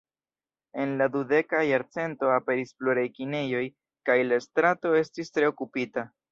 En la dudeka jarcento aperis pluraj kinejoj, kaj la strato estis tre okupita.